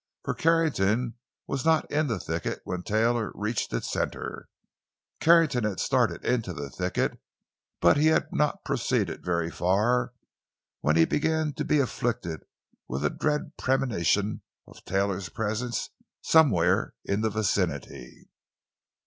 For Carrington was not in the thicket when Taylor reached its center. Carrington had started into the thicket, but he had not proceeded very far when he began to be afflicted with a dread premonition of Taylor's presence somewhere in the vicinity.